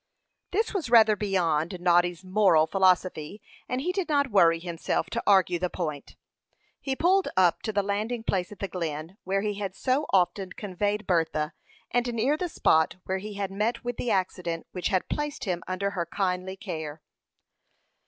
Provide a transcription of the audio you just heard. This was rather beyond Noddy's moral philosophy, and he did not worry himself to argue the point. He pulled up to the landing place at the Glen, where he had so often conveyed Bertha, and near the spot where he had met with the accident which had placed him under her kindly care.